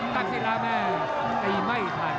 ตักศิราแม่งตีไม่ทัน